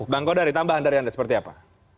bang kodari tambahan dari anda seperti apa